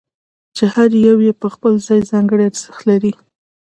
چې هر یو یې په خپل ځای ځانګړی ارزښت لري.